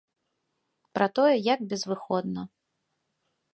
Пра тое, як безвыходна.